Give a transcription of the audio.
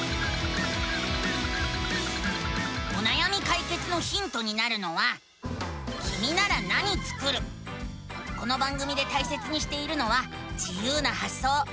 おなやみかいけつのヒントになるのはこの番組でたいせつにしているのは自ゆうなはっそう。